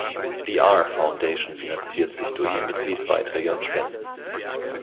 Die "R Foundation" finanziert sich durch Mitgliedsbeiträge und Spenden.